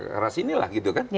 ke arah sini lah gitu kan